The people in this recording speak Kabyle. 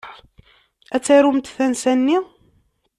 Ad tarumt tansa-nni.